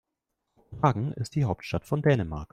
Kopenhagen ist die Hauptstadt von Dänemark.